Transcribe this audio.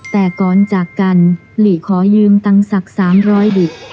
แต่ก่อนจากกันหลีขอยืมตังค์สัก๓๐๐บิต